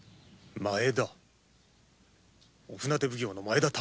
前田！？